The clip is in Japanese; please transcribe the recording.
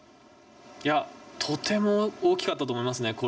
とても大きかったと思いますね